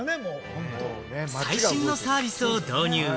最新のサービスを導入。